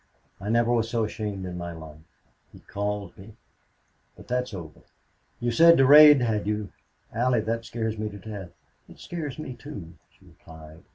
I never was so ashamed in my life. He called me.... But that's over.... You said Durade had you. Allie, that scares me to death." "It scares me, too," she replied.